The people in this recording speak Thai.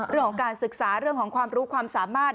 เรื่องของการศึกษาเรื่องของความรู้ความสามารถ